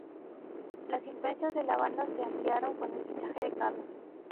Las influencias de la banda se ampliaron con el fichaje de Carlos.